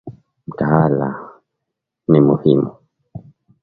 Mtaala ni muhimu